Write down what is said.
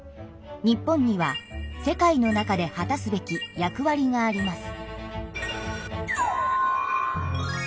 日本には世界の中で果たすべき役わりがあります。